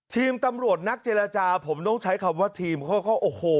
ทีมตำรวจนักเจรจาผมต้องใช้คำว่าทีมเขาก็โอ้โห